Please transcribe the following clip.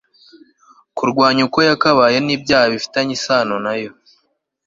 kurwanya uko yakabaye n'ibyaha bifitanye isano na yo